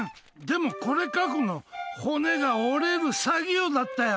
でもこれ書くの骨が折れる作業だったよ。